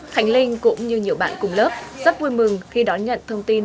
khánh linh cũng như nhiều bạn cùng lớp rất vui mừng khi đón nhận thông tin